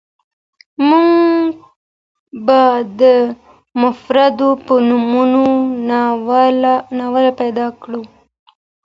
موږ به د مفرور په نوم ناول پیدا کړو.